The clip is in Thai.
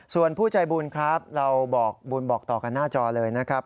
ส่วนผู้ใจบุญครับเราบอกบุญบอกต่อกันหน้าจอเลยนะครับ